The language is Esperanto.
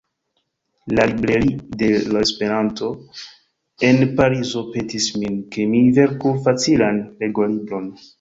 La "Librairie de l' Esperanto" en Parizo petis min, ke mi verku facilan legolibron.